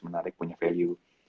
menarik punya value